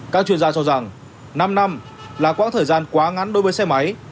các chuyên gia cho rằng năm năm là quãng thời gian quá ngắn đối với xe máy